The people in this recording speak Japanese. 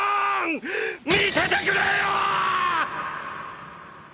見ててくれよーっ！！！